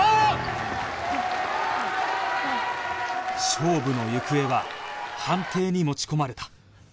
勝負の行方は判定に持ち込まれた